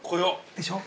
◆でしょう？